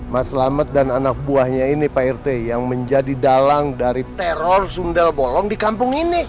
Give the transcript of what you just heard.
mas lammet dan anak buahnya ini pak irte yang menjadi dalang dari teror sundelbolong di kampung ini